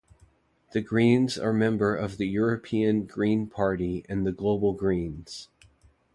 The Greens are member of the European Green Party and the Global Greens.